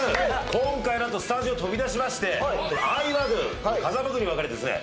今回何とスタジオを飛び出しまして相葉軍風間軍に分かれてですね